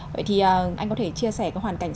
vậy thì anh có thể chia sẻ cái hoàn cảnh